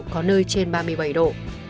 có nơi trên ba mươi bảy độ